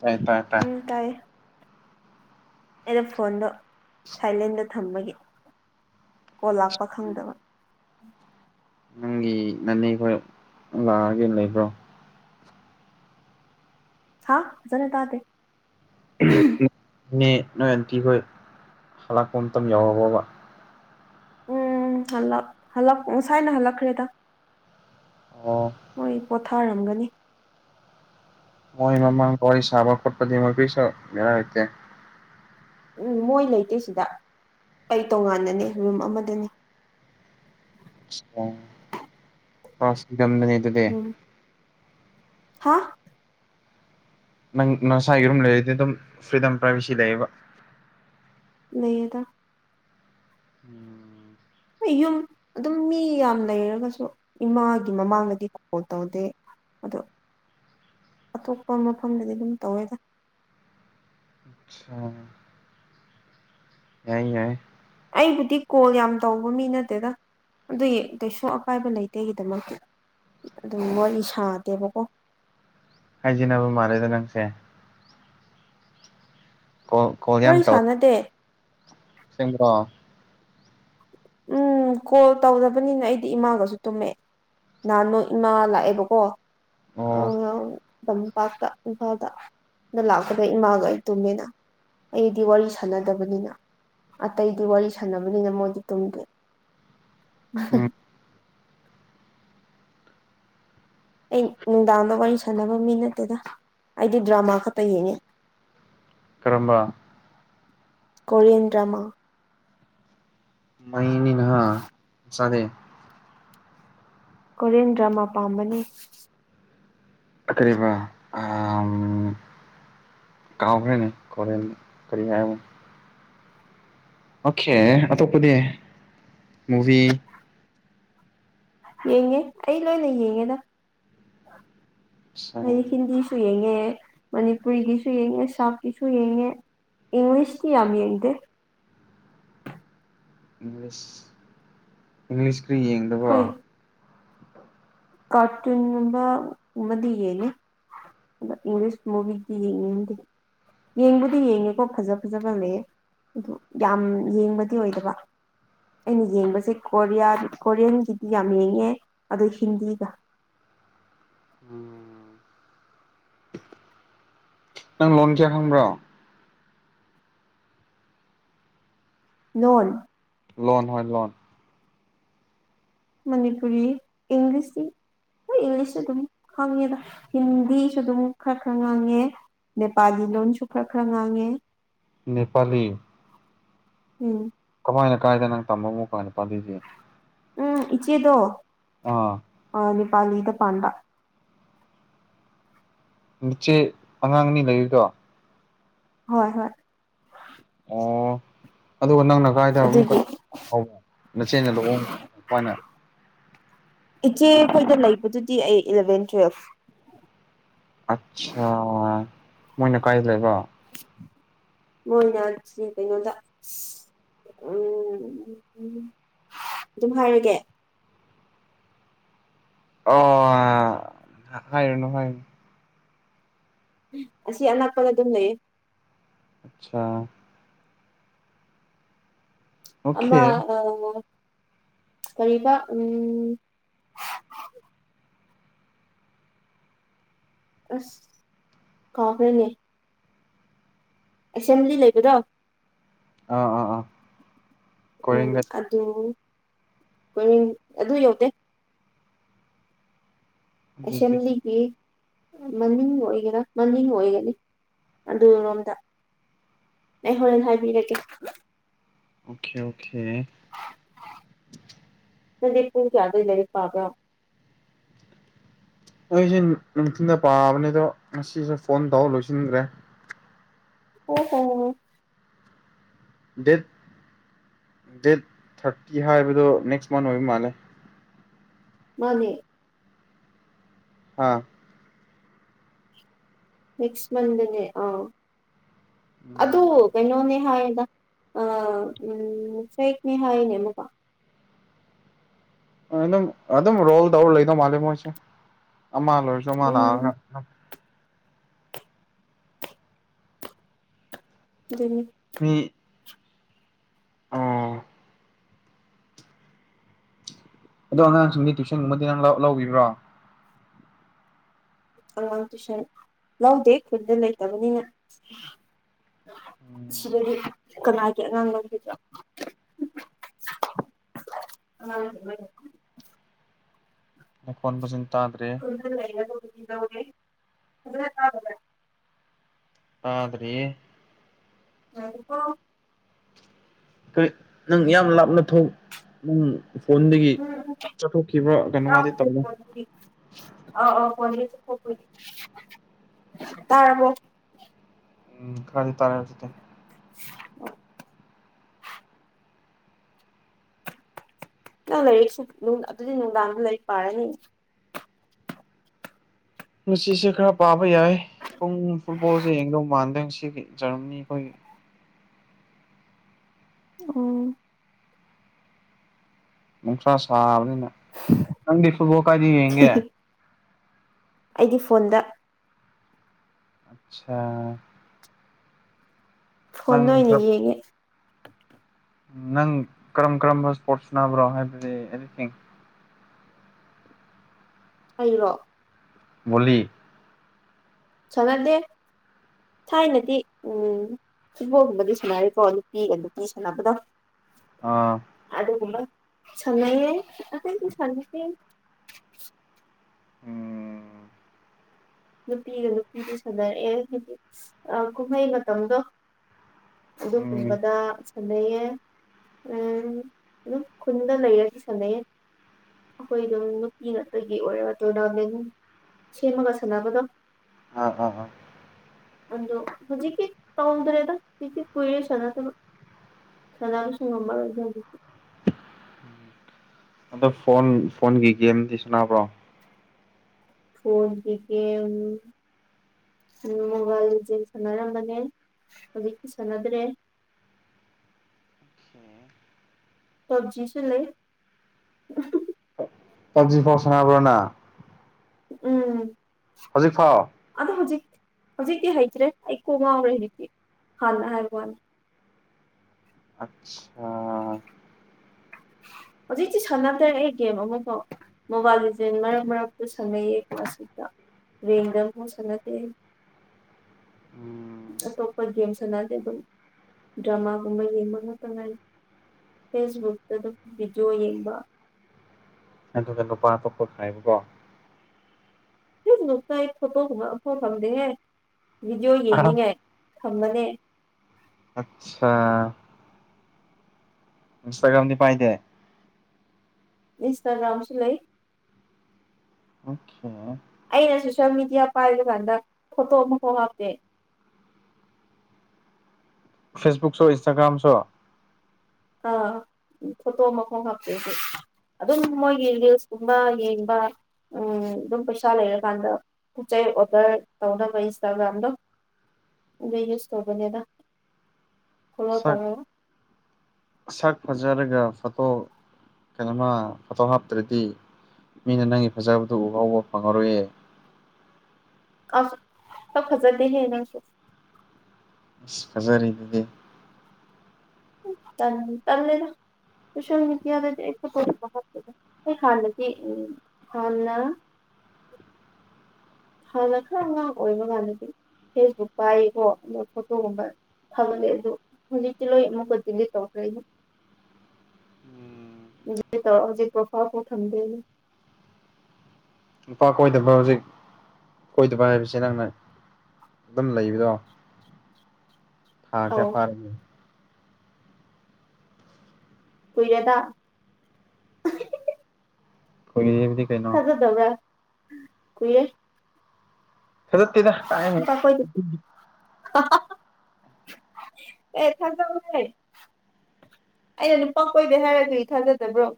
ꯇꯥꯏ ꯇꯥꯏ ꯇꯥꯏ ꯎꯝ ꯇꯥꯏꯌꯦ ꯑꯩꯅ ꯐꯣꯟꯗꯣ ꯁꯥꯏꯂꯦꯟꯗ ꯊꯝꯕꯒꯤ ꯀꯣꯜ ꯂꯥꯛꯄ ꯈꯪꯗꯕ ꯅꯪꯒꯤ ꯅꯅꯦ ꯈꯣꯏ ꯂꯥꯛꯑꯒꯦꯅ ꯂꯩꯕ꯭ꯔꯣ ꯍꯥꯥ ꯐꯖꯥꯅ ꯇꯥꯗꯦ ꯅꯦ ꯅꯣꯏ ꯑꯟꯇꯤꯈꯣꯏ ꯍꯜꯂꯛꯄ ꯃꯇꯝ ꯌꯎꯔꯥꯕꯣꯕ ꯎꯝ ꯍꯜꯂꯛ ꯍꯜꯂꯛ ꯉꯁꯥꯏꯅ ꯍꯜꯂꯛꯈ꯭ꯔꯦꯗ ꯑꯣ ꯃꯣꯏ ꯄꯣꯊꯥꯔꯝꯒꯅꯤ ꯃꯣꯏ ꯃꯃꯥꯡꯗ ꯋꯥꯔꯤ ꯁꯕ ꯈꯣꯠꯄꯗꯤ ꯀꯔꯤꯁꯨ ꯕꯦꯔꯥ ꯂꯩꯇꯦ ꯎꯝ ꯃꯣꯏ ꯂꯩꯇꯦ ꯁꯤꯗ ꯑꯩ ꯇꯣꯉꯥꯟꯅꯅꯤ ꯔꯨꯝ ꯑꯃꯗꯅꯤ [unintelligible] ꯎꯝ ꯍꯥ ꯅꯪ ꯅꯁꯥꯒꯤ ꯔꯨꯝ ꯂꯩꯔꯗꯤ ꯑꯗꯨꯝ ꯐ꯭ꯔꯤꯗꯝ ꯄ꯭ꯔꯥꯏꯚꯦꯁꯤ ꯂꯩꯌꯦꯕ ꯂꯩꯌꯦꯗ ꯎꯝ ꯍꫭꯏ ꯌꯨꯝ ꯑꯗꯨꯝ ꯃꯤ ꯌꯥꯝ ꯂꯩꯔꯒꯁꯨ ꯏꯃꯥꯒꯤ ꯃꯃꯥꯡꯗꯗꯤ ꯀꯣꯟꯜ ꯇꯧꯗꯦ ꯑꯗꯣ ꯑꯇꯣꯞꯄ ꯃꯐꯝꯗꯗꯤ ꯑꯗꯨꯝ ꯇꯧꯋꯦꯗ ꯑꯁꯥ ꯌꯥꯏ ꯌꯥꯏ ꯑꯩꯕꯨꯗꯤ ꯀꯣꯜ ꯌꯥꯝ ꯇꯧꯕ ꯃꯤ ꯅꯠꯇꯦꯗ ꯑꯗꯨꯒꯤ ꯀꯩꯁꯨ ꯑꯀꯥꯏꯕ ꯂꯩꯇꯦ ꯑꯩꯒꯤꯗꯃꯛꯇꯤ ꯑꯗꯨꯝ ꯋꯥꯔꯤ ꯁꯥꯗꯦꯕꯀꯣ ꯍꯥꯏꯖꯤꯟꯅꯕ ꯃꯜꯂꯦꯗ ꯅꯪꯁꯦ ꯀꫭꯜ ꯋꯥꯔꯤ ꯁꯥꯅꯗꯦ ꯑꯁꯦꯡꯕꯔꯣ ꯎꯝ ꯀꯣꯜ ꯇꯧꯗꯕꯅꯤꯅ ꯑꯩꯗꯤ ꯏꯃꯥꯒꯁꯨ ꯇꯨꯝꯃꯦ ꯅꯍꯥꯟꯃꯨꯛ ꯏꯃꯥ ꯂꯥꯛꯑꯦꯕꯀꯣ ꯑ ꯑꯣ ꯂꯝꯄꯥꯛꯇ ꯏꯝꯐꯥꯜꯗ ꯗ ꯂꯥꯛꯀꯗ ꯏꯃꯥꯒ ꯑꯩ ꯇꯨꯝꯃꯦꯅ ꯑꯩꯗꯤ ꯋꯥꯔꯤ ꯁꯥꯟꯅꯗꯕꯅꯤꯅ ꯑꯇꯩꯗꯤ ꯋꯥꯔꯤ ꯁꯥꯟꯅꯕꯅꯤꯅ ꯃꫭꯏꯗꯤ ꯇꯨꯝꯒꯦ ꯎꯝ [unintelligible] ꯑꯩ ꯅꯨꯡꯗꯥꯡꯗ ꯋꯥꯔꯤ ꯁꯥꯟꯅꯕ ꯃꯤ ꯅꯠꯇꯦꯗ ꯑꯩꯗꯤ ꯗ꯭ꯔꯃꯥ ꯈꯛꯇ ꯌꯦꯡꯉꯦ ꯀꯔꯝꯕ ꯀꯣꯔꯤꯌꯦꯟ ꯗ꯭ꯔꯃꯥ ꯃꯩꯅꯤꯅꯦ ꯍ ꯆꯗꯦ ꯀꯣꯔꯤꯌꯟ ꯗ꯭ꯔꯃꯥ ꯄꯥꯝꯕꯅꯤ ꯀꯔꯤꯑꯕ ꯑꯥꯝ ꯀꯥꯎꯈ꯭ꯔꯦꯅꯦ ꯈꯣꯔꯦꯟ ꯀꯔꯤ ꯍꯥꯏꯕ ꯑꯣꯛꯈꯦ ꯑꯇꯣꯞꯄꯗꯤ ꯃꯨꯕꯤ ꯌꯦꯡꯉꯦ ꯑꯩ ꯂꯣꯏꯅ ꯌꯦꯡꯉꯦꯗ ꯍꯥꯏꯗꯤ ꯍꯤꯟꯗꯤꯁꯨ ꯁꯨ ꯌꯦꯡꯉꯦ ꯃꯅꯤꯄꯨꯔꯤꯒꯤꯁꯨ ꯌꯦꯡꯉꯦ ꯁꯥꯎꯠꯀꯤꯁꯨ ꯌꯦꯡꯉꯦ ꯏꯪꯂꯤꯁꯇꯤ ꯌꯥꯝꯅ ꯌꯦꯡꯗꯦ ꯏꯪꯂꯤꯁ ꯏꯪꯂꯤꯁꯀ꯭ꯔꯤ ꯌꯦꯡꯗꯕ ꯀꯔꯇꯨꯟꯒꯨꯝꯕ ꯒꯨꯝꯕꯗꯤ ꯌꯦꯡꯉꯦ ꯗꯥ ꯏꯪꯂꯤꯁ ꯃꯨꯚꯤꯗꯤ ꯌꯦꯡꯅꯤꯡꯗꯦ ꯌꯦꯡꯕꯨꯗꯤ ꯌꯦꯡꯉꯦꯀꯣ ꯐꯖ ꯐꯖꯕ ꯂꯩꯌꯦ ꯑꯗꯨ ꯌꯥꯝ ꯌꯦꯡꯕꯗꯤ ꯑꯣꯏꯗꯕ ꯑꯩꯅ ꯌꯦꯡꯕꯁꯦ ꯀꯣꯔꯤꯌꯥ ꯀꯣꯔꯤꯌꯟꯒꯤꯗꯤ ꯌꯥꯝ ꯌꯦꯡꯉꯦ ꯑꯗꯣ ꯍꯤꯟꯗꯤ ꯗ ꯎꯝ ꯅꯪ ꯂꯣꯟꯁꯦ ꯍꯪꯕ꯭ꯔꯣ ꯂꯣꯟ ꯂꯣꯟ ꯍꯥ ꯂꯣꯟ ꯃꯅꯤꯄꯨꯔꯤ ꯏꯪꯂꯤꯁ ꯇꯤ ꯍꯣꯏ ꯏꯪꯂꯤꯁꯁꯨ ꯑꯗꯨꯝ ꯈꯪꯉꯦ ꯗ ꯍꯤꯟꯗꯤꯁꯨ ꯗꯨꯝ ꯈꯔ ꯈꯔ ꯉꯥꯡꯉꯦ ꯅꯦꯄꯥꯜꯂꯤ ꯂꯣꯟꯁꯨ ꯈꯔ ꯈꯔ ꯉꯥꯡꯉꯦ ꯅꯦꯄꯥꯂꯤ ꯎꯝ ꯀꯃꯥꯏꯅ ꯀꯥꯏꯗꯅ ꯅꯪ ꯇꯝꯃꯨꯃꯨꯛ ꯀ ‌ꯅꯦꯄꯥꯂꯤꯗꯤ ꯎꯝ ꯏꯆꯦꯗꯣ ꯑꯥ ꯑꯥ ꯅꯦꯄꯥꯂꯤꯗ ꯄꯥꯟꯕ ꯅꯆꯦ ꯑꯉꯥꯡ ꯑꯅꯤ ꯂꯩꯕꯗꯣ ꯍꯣꯏ ꯍꯣꯏ ꯑꯣ ꯑꯗꯨꯒ ꯅꯪꯅ ꯀꯥꯏꯗ ꯑꯃꯨꯛꯀ ꯑꯗꯨꯒꯤ [unintelligible] ꯅꯆꯦꯅ ꯂꯨꯍꯣꯡ ꯄꯥꯏꯅꯦ ꯏꯆꯦꯈꯣꯏꯗ ꯂꯩꯕꯗꯨꯗꯤ ꯑꯩ ꯏꯂꯚꯦꯟ ꯇꯨꯋꯦꯜꯐ ꯑꯠꯁꯥ ꯃꯣꯏꯅ ꯀꯥꯏꯗ ꯂꯩꯕ ꯃꯣꯏꯅ ꯆꯤ ꯀꯩꯅꯣꯗ ꯎꯝ ꯗꯨꯝ ꯍꯥꯏꯔꯒꯦ ꯑꯣꯑ ꯍꯥꯏꯔꯅꯨ ꯍꯥꯏꯔꯅꯨ ꯑꯁꯤ ꯑꯅꯛꯄꯗ ꯑꯗꯨꯝ ꯂꯩꯌꯦ ꯑꯁꯁꯥ ꯑꯃ ꯑꯣꯀꯦ ꯑ ꯀꯔꯤꯕ ꯎꯝ ꯑꯁ ꯀꯥꯎꯈ꯭ꯔꯦꯅꯦ ꯑꯦꯁꯦꯝꯕ꯭ꯂꯤ ꯂꯩꯕꯗꯣ ꯑ ꯑꯣ ꯑꯣ ꯎꯝ ꯑꯗꯨ ꯃꯅꯤꯡ ꯑꯗꯨ ꯌꯧꯗꯦ ꯑꯗꯨꯗꯤ ꯑꯦꯁꯦꯝꯕ꯭ꯂꯤꯒꯤ ꯃꯃꯤꯡ ꯑꯣꯏꯒꯦꯔꯥ ꯃꯃꯤꯡ ꯑꯣꯏꯒꯅꯤ ꯑꯗꯨꯔꯣꯝꯗ ꯑꯩ ꯍꯣꯔꯦꯟ ꯍꯥꯏꯕꯤꯔꯛꯀꯦ ꯑꯣꯈꯦ ꯑꯣꯈꯦ ꯅꯪꯗꯤ ꯄꯨꯡ ꯀꯌꯥꯗ ꯂꯥꯏꯔꯤꯛ ꯄꯥꯕ꯭ꯔꯥ ꯑꯩꯁꯦ ꯅꯨꯡꯊꯤꯜꯗ ꯄꯥꯕꯅꯤ ꯑꯗꯣ ꯉꯁꯤꯁꯦ ꯐꯣꯟ ꯇꯧ ꯂꯣꯏꯁꯤꯟꯈ꯭ꯔꯦ ꯑꯣ ꯍꯣ ꯗꯦꯠ ꯗꯦꯠ ꯊꯥꯔꯇꯤ ꯍꯥꯏꯕꯗꯣ ꯅꯦꯛꯁ ꯃꯟ ꯑꯣꯏꯕ ꯃꯥꯜꯂꯦ ꯃꯥꯅꯤ ꯑꯥ ꯅꯦꯛꯁ ꯃꯟꯗꯅꯦ ꯑꯥ ꯑꯗꯨ ꯎꯝ ꯀꯩꯅꯣꯅꯦ ꯍꯥꯏꯌꯦꯗ ꯑ ꯎꯝ ꯐꯦꯛꯅꯦ ꯍꯥꯏꯅꯦ ꯑꯃꯨꯛꯀ ꯑ ꯅꯪ ꯑꯗꯨꯝ ꯔꯣꯜ ꯇꯧꯔ ꯂꯩꯗꯧ ꯃꯥꯜꯂꯦ ꯃꯣꯏꯁꯦ ꯑꯃ ꯂꯣꯏꯔꯁꯨ ꯑꯃ ꯎꯝ ꯂꯥꯛꯑꯒ ꯑꯗꯨꯅꯤ ꯃꯤ ꯑꯣ ꯑꯗꯣ ꯑꯉꯥꯡꯁꯤꯡꯗꯤ ꯇꯨꯏꯁꯟꯒꯨꯝꯕꯗꯤ ꯅꯪ ꯂꯧꯈꯤꯕ꯭ꯔꯣ ꯑꯉꯥꯡ ꯇꯨꯏꯁꯟ ꯂꯧꯗꯦ ꯈꯨꯟꯗ ꯂꯩꯇꯕꯅꯤꯅ ꯎꯝ ꯁꯤꯗꯗꯤ ꯀꯅꯥꯒꯤ ꯑꯉꯥꯡ ꯂꯧꯈꯤꯕꯔꯣ [unintelligible] ꯅ ꯈꯣꯟ ꯐꯖꯅꯥ ꯇꯥꯗ꯭ꯔꯦ [unintelligible] ꯇꯥꯗꯔꯤꯌꯦ [unintelligible] ꯀꯩ ꯅꯪ ꯌꯥꯝ ꯂꯥꯞꯅ ꯊꯣꯡ ꯒꯨꯝ ꯐꯣꯟꯗꯒꯤ ꯎꯝ ꯆꯠꯊꯣꯛꯈꯤꯕ꯭ꯔꯥ ꯀꯩꯅꯣꯃꯗꯤ ꯇꯧ ꯅ ꯑ ꯑꯣꯐꯣꯟꯗꯒꯤ ꯆꯠꯊꯣꯛ ꯄꯥꯒꯤ ꯇꯔꯕꯣ ꯎꯝ ꯈꯔꯗꯤ ꯇꯥꯔꯦ ꯍꯧꯖꯤꯛꯇꯤ [unintelligible] ꯅꯡ ꯂꯩꯥꯏꯔꯤꯛꯁꯨ ꯑꯗꯨꯗꯤ ꯅꯨꯡꯗꯥꯡꯗ ꯂꯥꯏꯔꯤꯛ ꯄꯥꯔꯅꯤ ꯉꯁꯤꯁꯦ ꯈꯔ ꯄꯥꯕ ꯌꯥꯏ ꯄꯨꯡ ꯐꯨꯠꯕꯣꯜꯁꯦ ꯌꯦꯡꯗꯧ ꯃꯥꯟꯗ ꯉ ꯁꯤꯗꯤ ꯑꯖꯝꯅꯤ ꯑꯩꯈꯣꯏꯒꯤ ꯑꯣ ꯅꯨꯡꯁꯥ ꯁꯥꯕꯅꯤꯅ ꯅꯪꯗꯤ ꯐꯨꯠꯕꯣꯜ ꯀꯥꯏꯗ ꯌꯦꯡꯒꯦ ꯑꯩꯗꯤ ꯐꯣꯟꯗ ꯑꯆꯥ ꯐꯣꯟꯗ ꯅꯪ ꯑꯣꯏꯅ ꯌꯦꯡꯉꯦ ꯅꯪ ꯀꯔꯝ ꯀꯔꯝꯕ ꯏꯁꯄꯣꯔꯠꯁ ꯅꯥꯕ꯭ꯔꯣ ꯍꯥꯏꯕꯗꯤ ꯑꯦꯅꯤꯊꯤꯡ ꯑꯩꯔꯣ ꯕꯣꯜꯂꯤ ꯁꯅꯥꯗꯦ ꯊꯥꯏꯅꯗꯤ ꯎꯝ ꯐꯨꯠꯕꯣꯜꯒꯨꯝꯕꯗꯤ ꯁꯥꯟꯅꯔꯤꯀꯣ ꯅꯨꯄꯤꯒ ꯅꯨꯄꯤ ꯁꯥꯟꯅꯕꯗꯣ ꯑꯥ ꯑꯗꯨꯒꯨꯝꯕ ꯁꯥꯟꯅꯩꯌꯦ ꯑꯩꯈꯣꯏꯗꯤ ꯁꯥꯟꯅꯇꯦ ꯎꯝ ꯅꯨꯄꯤꯒ ꯅꯨꯄꯤꯒ ꯁꯥꯟꯅꯔꯛꯑꯦ ꯍꯥꯏꯗꯤ ꯑ ꯀꯨꯝꯍꯩ ꯃꯇꯝꯗꯣ ꯎꯝ ꯑꯗꯨꯒꯨꯝꯕꯗ ꯁꯥꯟꯅꯩꯌꯦ ꯎꯝ ꯑꯗꯨꯝ ꯈꯨꯟꯗ ꯂꯩꯔꯗꯤ ꯁꯥꯟꯅꯩꯌꯦ ꯑꯩꯈꯣꯏ ꯑꯗꯨꯝ ꯅꯨꯄꯤ ꯉꯥꯛꯇꯒꯤ ꯑꯣꯏꯔ ꯇꯣꯔꯅꯥꯃꯦꯟ ꯁꯦꯝꯃꯒ ꯁꯥꯟ ꯁꯅꯕꯗꯣ ꯑ ꯑ ꯑꯗꯣ ꯍꯧꯖꯤꯛꯇꯤ ꯇꯧꯗꯔ꯭ꯦꯗ ꯍꯧꯖꯤꯛꯇꯤ ꯀꯨꯏꯔꯦ ꯁꯅꯗꯕꯥ ꯁꯥꯅꯕꯁꯨ ꯉꯝꯃꯔꯣꯏꯗ ꯍꯧꯖꯤꯛꯇꯤ ꯑꯗꯣ ꯐꯣꯟ ꯐꯣꯟꯒꯤ ꯒꯦꯝꯗꯤ ꯁꯥꯅꯕ꯭ꯔꯣ ꯐꯣꯟꯒꯤ ꯒꯦꯝ ꯎꯝ ꯃꯣꯕꯥꯏꯜ ꯂꯤꯖꯦꯟꯗ ꯁꯥꯟꯅꯔꯝꯕꯅꯦ ꯍꯧꯖꯤꯛꯇꯤ ꯁꯥꯟꯅꯗ꯭ꯔꯦ [inaudible] ꯄꯕ ꯖꯤꯁꯨ ꯂꯩ ꯄꯞꯖꯤ ꯐꯥꯎ ꯁꯅꯕ꯭ꯔꯣ ꯅꯪ ꯎꯝ ꯍꯧꯖꯤꯛ ꯐꯥꯎ ꯑꯗꯣ ꯍꯧꯖꯤꯛ ꯍꯧꯖꯤꯛꯇꯤ ꯍꯩꯇ꯭ꯔꯦ ꯑꯩ ꯀꯣꯛ ꯉꯥꯎꯔꯦ ꯍꯧꯖꯤꯛꯗꯤ ꯍꯥꯟꯅ ꯍꯥꯏꯕ ꯋꯥꯅꯤ ꯑꯠꯁꯥ ꯍꯧꯖꯤꯛꯇꯤ ꯁꯥꯟꯅꯗ꯭ꯔꯦ ꯑꯩ ꯒꯦꯝ ꯑꯃꯐꯥꯎ ꯃꯣꯕꯥꯏꯜ ꯂꯤꯖꯦꯟ ꯃꯔꯛ ꯃꯔꯛꯇ ꯁꯥꯟꯅꯩꯌꯦ ꯀ꯭ꯂꯥꯁꯤꯛꯇ ꯔꯦꯡꯗ ꯑꯃꯨꯛ ꯁꯥꯟꯅꯗꯦ ꯎꯝ ꯑꯇꯣꯞꯄꯥ ꯒꯦꯝ ꯁꯥꯟꯅꯗꯦ ꯑꯗꯨꯝ ꯗ꯭ꯔꯃꯥꯒꯨꯝꯕ ꯌꯦꯡꯕ ꯉꯥꯛꯇ ꯉꯥꯏ ꯐꯦꯁꯕꯨꯛ ꯑꯗꯨꯝ ꯚꯤꯗꯤꯑꯣ ꯌꯦꯡꯕ ꯑꯗꯨꯒ ꯅꯨꯨꯄꯥ ꯑꯇꯣꯄ ꯈꯥꯏꯕꯀꯣ ꯅꯣꯛꯇꯥꯏ ꯐꯣꯇꯣꯒꯨꯝꯕ ꯑꯝꯐꯥꯎ ꯊꯝꯗꯦꯍꯦ ꯚꯤꯗꯤꯑꯣ ꯑꯍꯥ ꯌꯦꯡꯅꯤꯡꯉꯥꯏ ꯊꯝꯕꯅꯦ ꯑꯥꯠꯁꯥ ꯏꯟꯁꯇꯥꯒ꯭ꯔꯥꯝꯗꯤ ꯄꯥꯏꯗꯦ ꯏꯟꯁꯇꯒ꯭ꯔꯥꯝꯁꯨ ꯂꯩ ꯑꯣꯀꯦ ꯑꯩꯅ ꯁꯣꯁꯦꯜ ꯃꯦꯗꯤꯌꯥ ꯄꯥꯏꯕ ꯀꯥꯟꯗ ꯐꯣꯇꯣ ꯑꯃꯐꯥꯎ ꯍꯥꯞꯇꯦ ꯐꯦꯁꯕꯨꯛ ꯁꯣ ꯏꯟꯁꯇꯒ꯭ꯔꯥꯝꯁꯨ ꯑ ꯐꯣꯇꯣ ꯑꯃꯐꯧ ꯍꯥꯞꯇꯦ [unintelligible] ꯑꯗꯨꯝ ꯃꯣꯏꯒꯤ ꯔꯤꯜꯁꯀꯨꯝꯕ ꯌꯦꯡꯕ ꯎꯝ ꯑꯗꯨꯝ ꯄꯩꯁꯥ ꯂꯩꯔꯀꯥꯟꯗ ꯄꯣꯠ ꯆꯩ ꯑꯣꯔꯗꯔ ꯇꯧꯅꯕ ꯏꯟꯁꯇꯥꯒ꯭ꯔꯥꯝꯗꯣ ꯑꯗꯨ ꯌꯨꯁ ꯇꯧꯕꯅꯦꯗ ꯐꯣꯂꯣ ꯁꯛ ꯇꯧꯔꯒ ꯁꯛ ꯐꯖꯔꯒ ꯐꯣꯇꯣ ꯀꯩꯅꯣꯃ ꯐꯣꯇꯣ ꯍꯥꯞꯇ꯭ꯔꯗꯤ ꯃꯤꯅ ꯅꯪꯒꯤ ꯐꯖꯕꯗꯨ ꯎꯍꯥꯎꯕ ꯐꯪꯉꯔꯣꯏꯌꯦ ꯑ ꯁꯛ ꯐꯖꯗꯤꯍꯦ ꯅꯪꯁꯨ ꯑꯁ ꯐꯖꯔꯤꯗꯨꯗꯤ ꯍꯨꯝ ꯇꯟꯕꯨ ꯇꯜꯂꯦꯗꯥ ꯁꯣꯁꯦꯜ ꯃꯤꯗꯤꯌꯥꯗꯗꯤ ꯑꯩ ꯐꯣꯇꯣ ꯑꯝꯐꯥꯎ ꯍꯥꯞꯇꯦꯗ ꯑꯩ ꯍꯥꯟꯅꯒꯤ ꯍꯥꯟꯅ ꯍꯥꯟꯅ ꯈꯔ ꯑꯉꯥꯡ ꯑꯣꯏꯕ ꯀꯥꯟꯗꯗꯤ ꯐꯦꯁꯕꯨꯛ ꯄꯥꯏꯌꯦꯀꯣ ꯑꯗꯨ ꯐꯣꯇꯣꯒꯨꯝꯕ ꯊꯥꯒꯠꯂꯦ ꯑꯗꯨ ꯍꯧꯖꯤꯛꯇꯤ ꯂꯣꯏ ꯑꯃꯨꯛꯀ ꯗꯤꯂꯤꯠ ꯇꯧꯈ꯭ꯔꯦ ꯑꯗꯨ [inaudible] ꯎꯝ [unintelligible] ꯍꯧꯖꯤꯛ ꯄ꯭ꯔꯣꯐꯥꯏꯜꯕꯧ ꯊꯝꯗꯦ ꯑꯩ ꯅꯨꯄꯥ ꯀꯣꯏꯗꯕ ꯍꯧꯖꯤꯛ ꯀꯣꯏꯗꯕ ꯍꯥꯏꯕꯁꯦ ꯅꯪꯅ ꯑꯗꯨꯝ ꯂꯩꯕꯗꯣ ꯊꯥ ꯀꯌꯥ ꯑꯧ ꯐꯥꯔꯒꯦ ꯀꯨꯏꯔꯦꯗ [unintelligible] ꯊꯥꯖꯗꯕ꯭ꯔꯥ ꯀꯨꯏꯔꯦ [unintelligible] ꯀꯥꯏ [unintelligible] ꯅꯨꯄꯥꯈꯣꯏꯗꯤ ꯑꯦ ꯊꯥꯖꯧꯍꯦ ꯑꯩꯅ ꯅꯨꯄꯥ ꯀꯣꯏꯗꯦ ꯍꯥꯏꯔꯒꯗꯤ ꯊꯥꯖꯗꯕ꯭ꯔꯣ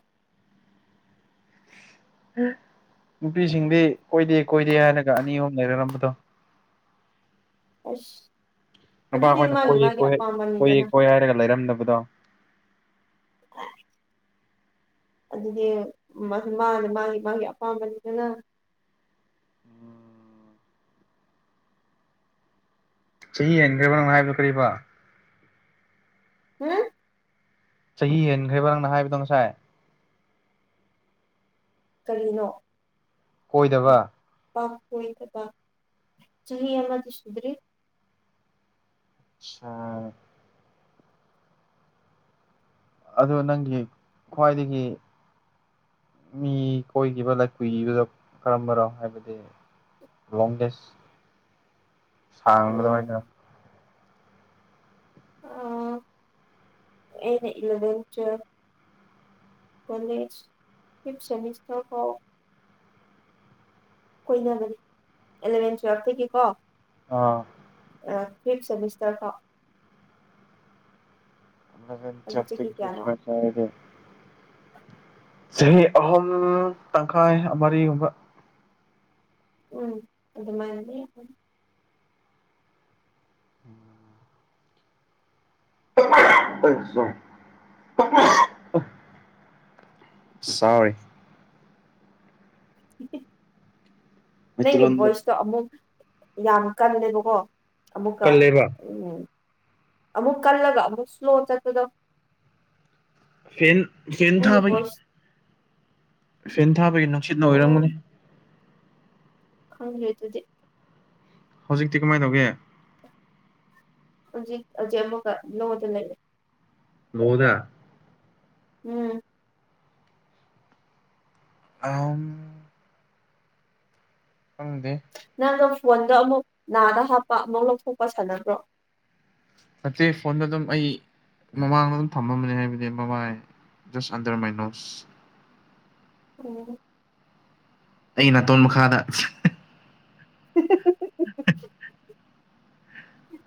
ꯅꯨꯄꯤꯁꯤꯡꯗꯤ ꯀꯣꯏꯗꯦ ꯀꯣꯏꯗꯦ ꯍꯥꯏꯔꯒ ꯑꯅꯤ ꯑꯍꯨꯝ ꯂꯩꯔꯝꯕꯗꯣ ꯑꯩꯁ ꯑꯗꯨꯗꯤ ꯃꯥꯒꯤ ꯃꯥꯒꯤ ꯑꯄꯥꯝꯕꯅꯤꯗꯅ ꯍꯣꯏ ꯍꯥꯏꯔꯒ ꯂꯩꯔꯝꯗꯕꯗꯣ [inaudible] ꯑꯗꯨꯗꯤ ꯃꯥꯅ ꯃꯥꯒꯤ ꯃꯥꯒꯤ ꯑꯄꯥꯝꯕꯅꯤꯗꯅ ꯆꯍꯤ ꯍꯦꯟꯈ꯭ꯔꯕ ꯍꯥꯏꯕꯔꯣ ꯀꯔꯤꯕꯣ ꯎꯝ ꯆꯍꯤ ꯍꯦꯟꯈ꯭ꯔꯦꯕ ꯅꯪꯅ ꯍꯥꯏꯕꯗꯣ ꯉꯁꯥꯏ ꯀꯔꯤꯅꯣ ꯀꯣꯏꯗꯕ ꯅꯨꯄꯥ ꯀꯣꯏꯗꯕ ꯆꯍꯤ ꯑꯃꯗꯤ ꯁꯨꯗ꯭ꯔꯤ ꯆꯥꯔꯦ ꯑꯗꯣ ꯅꯪꯒꯤ ꯈ꯭ꯋꯥꯏꯗꯒꯤ ꯃꯤ ꯀꯣꯏꯈꯤꯕ ꯀꯨꯏꯕꯗꯣ ꯀꯔꯝꯕꯅꯣ ꯍꯥꯏꯕꯗꯤ ꯂꯣꯡꯒꯦꯁ ꯁꯥꯡꯕꯗꯣ ꯍꯥꯏꯗꯥꯏ ꯎꯝ ꯑꯥ ꯑꯩꯅ eleven twelve college fifth semester ꯐꯥꯎ ꯀꯣꯏꯅꯕꯅꯤ ꯑꯦꯂꯚꯦꯟ ꯇꯨꯋꯦꯜꯐꯇꯒꯤ ꯀꯣ ꯑꯥ ꯑꯥ ꯐꯤꯞ ꯁꯦꯃꯤꯁꯇꯔ ꯐꯥꯎ ꯏꯂꯥꯚꯦꯟ ꯑꯗꯨ ꯆꯍꯤ ꯀꯌꯥꯅꯣ ꯇꯨꯋꯦꯜꯐ ꯇꯒꯤ ꯆꯍꯤ ꯑꯍꯨꯝ ꯇꯪꯈꯥꯏ ꯃꯔꯤꯒꯨꯝꯕ ꯎꯝ ꯑꯗꯨ ꯃꯥꯏꯅꯗꯤ ꯗꯨꯝ ꯎꯝ [inaudible] ꯁꯣꯔꯤ [unintelligible] ꯅꯪꯒꯤ ꯃꯩꯇꯩꯂꯣꯟꯗ ꯚꯣꯏꯁꯇꯣ ꯑꯃꯨꯛ ꯌꯥꯝ ꯀꯜꯂꯦꯕꯀꯣ ꯑꯃꯨꯛꯀ ꯀꯜꯂꯦꯕ ꯎꯝ ꯑꯃꯨꯛ ꯀꯜꯂꯒ ꯑꯃꯨꯛ ꯏꯁꯂꯣ ꯆꯠꯄꯗꯣ ꯐꯦꯟ ꯐꯦꯟ ꯅꯪꯒꯤ ꯊꯥꯕꯩ ꯚꯣꯏꯁ ꯐꯦꯟ ꯊꯥꯕꯒꯤ ꯅꯨꯡꯁꯤꯠꯅ ꯑꯣꯏꯔꯝꯒꯅꯤ ꯈꯪꯗꯦ ꯑꯗꯨꯗꯤ ꯍꯧꯖꯤꯛꯇꯤ ꯀꯃꯥꯏꯅ ꯇꯧꯒꯦ ꯍꯧꯖꯤꯛ ꯍꯧꯖꯤ ꯑꯃꯒ ꯅꯣꯗ ꯂꯩꯔꯦ ꯂꯣꯏꯅ ꯎꯝ [unintelligible] ꯈꯪꯗꯦ ꯅꯪꯒꯤ ꯐꯣꯟꯗ ꯑꯃꯨꯛ ꯅꯥꯗ ꯍꯥꯞꯄ ꯑꯃꯨꯛ ꯂꯧꯊꯣꯛꯄ ꯁꯥꯟꯅꯕ꯭ꯔꯣ ꯅꯠꯇꯦ ꯐꯣꯟꯗ ꯑꯗꯨꯝ ꯑꯩ ꯃꯃꯥꯡꯗ ꯑꯗꯨꯝ ꯊꯝꯃꯝꯕꯅꯦ ꯍꯥꯏꯕꯗꯤ ꯃꯃꯥꯏ ꯖꯁ ꯑꯟꯗꯔ ꯃꯥꯏꯅꯣꯁ ꯑꯣ ꯑꯩ ꯅꯥꯇꯣꯟ ꯃꯈꯥꯗ [inaudible] [inaudible]